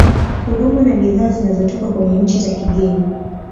huduma na bidhaa zinazotoka kwenye nchi za kigeni